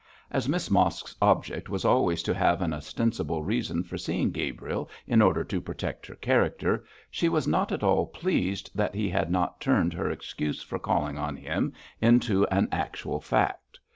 As Miss Mosk's object was always to have an ostensible reason for seeing Gabriel in order to protect her character, she was not at all pleased that he had not turned her excuse for calling on him into an actual fact.